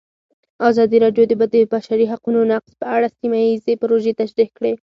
ازادي راډیو د د بشري حقونو نقض په اړه سیمه ییزې پروژې تشریح کړې.